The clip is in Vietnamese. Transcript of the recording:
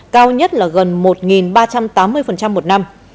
cao nhất là gần một ba trăm tám mươi một năm